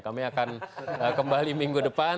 kami akan kembali minggu depan